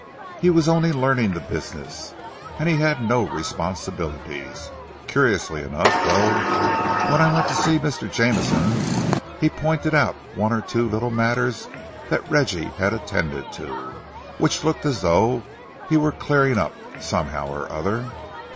"He was only learning the business and he had no responsibilities. Curiously enough, though, when I went to see Mr. Jameson he pointed out one or two little matters that Reggie had attended to, which looked as though he were clearing up, somehow or other."